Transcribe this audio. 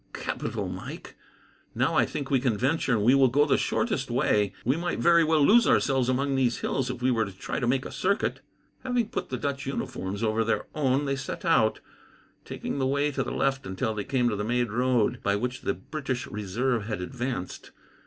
"Capital, Mike! Now I think that we can venture, and we will go the shortest way. We might very well lose ourselves among these hills, if we were to try to make a circuit." Having put the Dutch uniforms over their own, they set out, taking the way to the left until they came to the main road by which the British reserve had advanced.